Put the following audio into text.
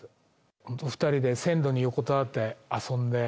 本当、２人で線路に横たわって遊んで。